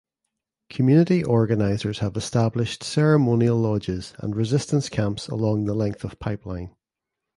Community organizers have established ceremonial lodges and resistance camps along the length of pipeline.